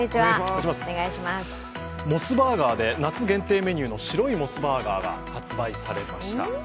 モスバーガーで夏限定メニューの白いモスバーガーが発売されました。